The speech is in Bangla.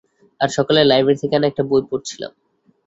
আর সকালেই লাইব্রেরি থেকে আনা একটা বই পড়ছিলাম।